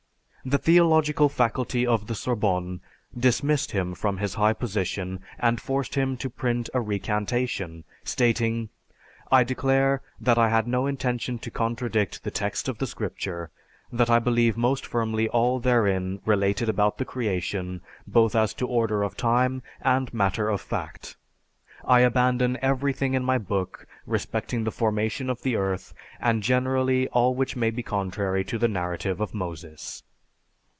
The theological faculty of the Sorbonne dismissed him from his high position and forced him to print a recantation stating, "I declare that I had no intention to contradict the text of the Scripture; that I believe most firmly all therein related about the creation, both as to order of time and matter of fact. I abandon everything in my book respecting the formation of the earth and generally all which may be contrary to the narrative of Moses!"